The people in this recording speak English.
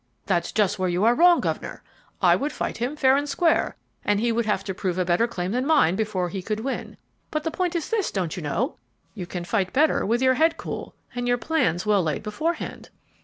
"That's just where you are wrong, governor. I would fight him, fair and square, and he would have to prove a better claim than mine before he could win. But the point is this, don't you know, you can fight better with your head cool and your plans well laid beforehand."